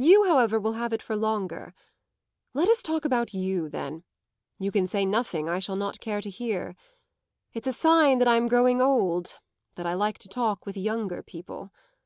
You, however, will have it for longer. Let us talk about you then; you can say nothing I shall not care to hear. It's a sign that I'm growing old that I like to talk with younger people.